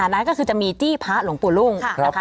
นั่นก็คือจะมีจี้พระหลวงปู่รุ่งนะคะ